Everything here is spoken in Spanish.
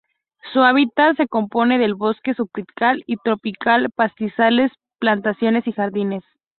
Su hábitat se compone de bosque subtropical y tropical, pastizales, plantaciones, y jardines.